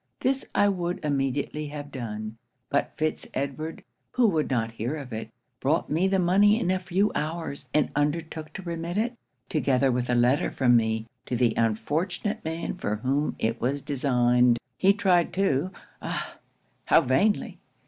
This I would immediately have done; but Fitz Edward, who would not hear of it, brought me the money in a few hours, and undertook to remit it, together with a letter from me, to the unfortunate man for whom it was designed. 'He tried too ah, how vainly!